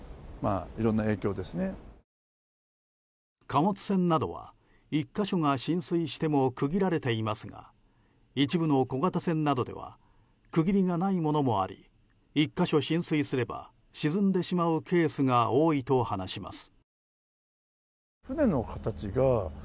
貨物船などは１か所が浸水しても区切られていますが一部の小型船などでは区切りがないものもあり１か所浸水すれば沈んでしまうケースが多いと話します。